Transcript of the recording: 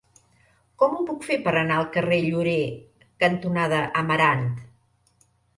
Com ho puc fer per anar al carrer Llorer cantonada Amarant?